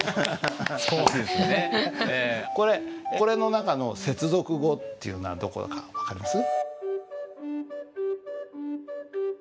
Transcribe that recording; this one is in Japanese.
これの中の接続語というのはどこだか分かります？